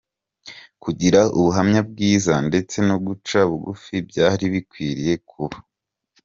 Kugira ubuhamya bwiza ndetse no guca bugufi byari bikwiriye kuba.